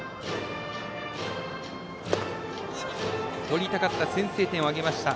とりたかった先制点を挙げました。